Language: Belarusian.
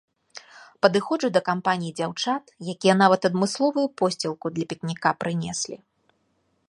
Падыходжу да кампаніі дзяўчат, якія нават адмысловую посцілку для пікніка прынеслі.